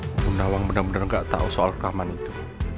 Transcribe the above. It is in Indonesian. bu nawang benar benar gak tahu soal rekaman itu